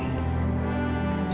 selamat datang kembali ya naya